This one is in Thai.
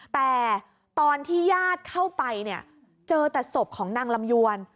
แต่ตอนที่ญาติเข้าไปเนี่ยเจอแต่ศพของนางลำยวน